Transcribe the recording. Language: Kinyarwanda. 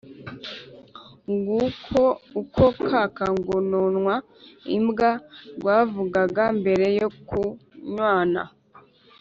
nguko uko ka kangononwa imbwa rwavugaga mbere yo kunywana.